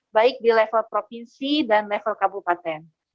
baik di level provinsi dan level kabupaten